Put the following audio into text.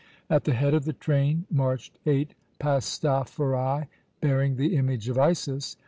At the head of the train marched eight pastophori, bearing the image of Isis.